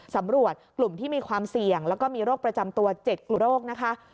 สำรวจกลุ่มที่มีความเสี่ยงแล้วก็มีโรคประจำตัว๗กลุ่มโรคนะคะ